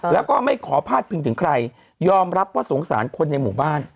แล้วก็ไม่ขอพาดพิงถึงใครยอมรับว่าสงสารคนในหมู่บ้าน